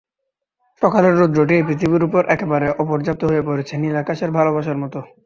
সকালের রৌদ্রটি এই পৃথিবীর উপরে একেবারে অপর্যাপ্ত হয়ে পড়েছে, নীল আকাশের ভালোবাসার মতো।